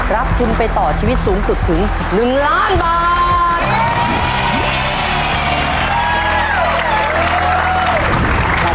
รับทุนไปต่อชีวิตสูงสุดถึง๑ล้านบาท